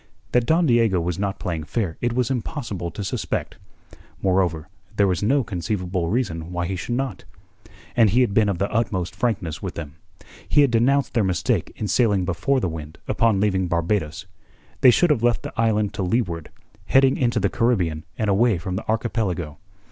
That Don Diego was not playing fair it was impossible to suspect. Moreover, there was no conceivable reason why he should not. And he had been of the utmost frankness with them. He had denounced their mistake in sailing before the wind upon leaving Barbados. They should have left the island to leeward, heading into the Caribbean and away from the archipelago.